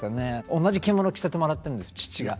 同じ着物着せてもらってるんです父が。